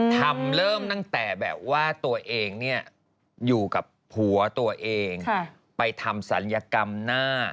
เริ่มตั้งแต่แบบว่าตัวเองเนี่ยอยู่กับผัวตัวเองไปทำศัลยกรรมหน้า